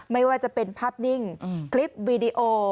ไม่ว่าจะเป็นภาพนิ่งคลิปวีดีโอ